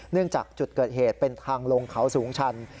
จากจุดเกิดเหตุเป็นทางลงเขาสูงชัน